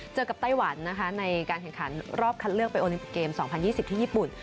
เจอกับไต้หวันนะคะในการแข่งขันรอบคัดเลือกไปโอลิมปิกเกม๒๐๒๐ที่ญี่ปุ่น